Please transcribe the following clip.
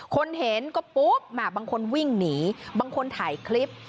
คนเห็นก็ปุ๊บบางคนวิ่งหนีบางคนถ่ายคลิป